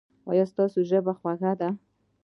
ایا ستاسو ژبه خوږه ده؟